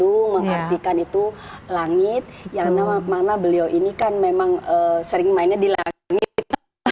itu mengartikan itu langit yang mana beliau ini kan memang sering mainnya di langit